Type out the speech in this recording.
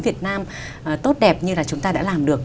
việt nam tốt đẹp như là chúng ta đã làm được